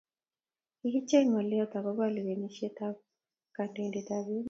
kikichek ngolot ekoba lewenisheb an kandoiten ab emet